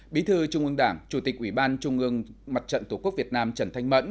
bí thư trung ương đảng chủ tịch ủy ban trung ương mặt trận tổ quốc việt nam trần thanh mẫn